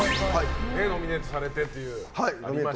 ノミネートされてということで。